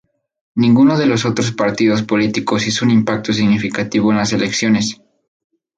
Ninguno de los otros partidos políticos hizo un impacto significativo en las elecciones.